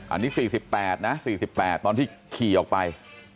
อันนี้๔๘นะ๔๘ตอนที่ขี่ออกไป